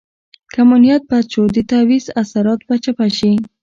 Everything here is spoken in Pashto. که مو نیت بد شو د تعویض اثرات به چپه شي.